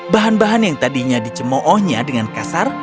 bahan bahan yang tadinya dicemoohnya dengan kasar